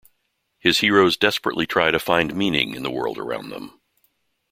His heroes desperately try to find meaning in the world around them.